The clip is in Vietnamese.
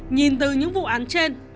nhìn từ những vụ án trên